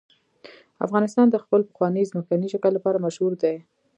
افغانستان د خپل پخواني ځمکني شکل لپاره مشهور دی.